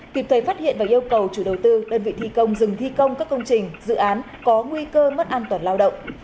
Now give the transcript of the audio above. kịp thời phát hiện và yêu cầu chủ đầu tư đơn vị thi công dừng thi công các công trình dự án có nguy cơ mất an toàn lao động